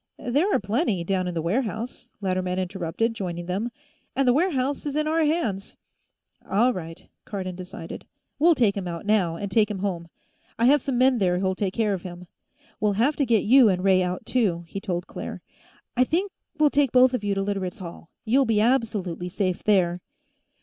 "There are plenty, down in the warehouse," Latterman interrupted, joining them. "And the warehouse is in our hands." "All right," Cardon decided. "We'll take him out, now, and take him home. I have some men there who'll take care of him. We'll have to get you and Ray out, too," he told Claire. "I think we'll take both of you to Literates' Hall; you'll be absolutely safe there."